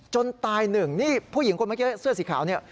ตายหนึ่งนี่ผู้หญิงคนเมื่อกี้เสื้อสีขาวเนี่ย